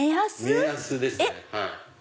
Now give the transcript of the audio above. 目安ですね。